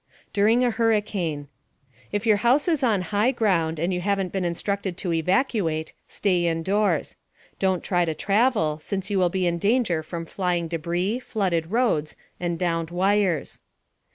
DURING A HURRICANE If your house is on high ground and you haven't been instructed to evacuate, stay indoors. Don't try to travel, since you will be in danger from flying debris, flooded roads, and downed wires.